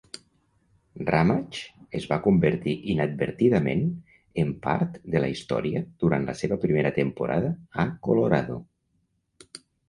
Ramage es va convertir inadvertidament en part de la història durant la seva primera temporada a Colorado.